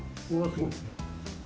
すごい。